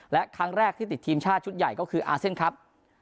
และครั้งแรกที่ติดทีมชาติชุดใหญ่ก็คืออาเซียนครับ